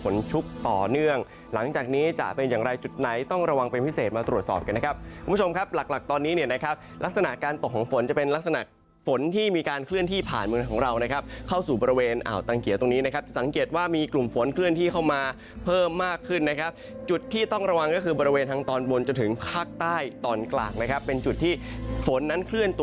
ฝนชุกต่อเนื่องหลังจากนี้จะเป็นอย่างไรจุดไหนต้องระวังเป็นพิเศษมาตรวจสอบกันนะครับคุณผู้ชมครับหลักตอนนี้เนี่ยนะครับลักษณะการตกของฝนจะเป็นลักษณะฝนที่มีการเคลื่อนที่ผ่านมือของเรานะครับเข้าสู่บริเวณอ่าวตังเขียตรงนี้นะครับสังเกตว่ามีกลุ่มฝนเคลื่อนที่เข้ามาเพิ่มมากขึ้นนะครับจุดท